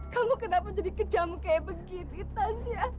kamu kenapa jadi kejam kayak begini tasha